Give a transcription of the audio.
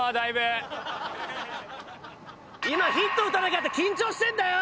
今ヒット打たなきゃって緊張してるんだよ！